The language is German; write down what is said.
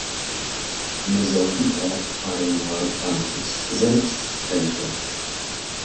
Wir sollten auch einmal an uns selbst denken.